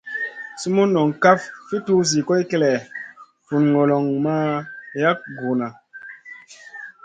Sumun noŋ kaf fi tuzi goy kélèʼèh, vun goloŋ ma yaʼ Guhra.